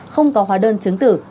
không có hóa đơn chứng tử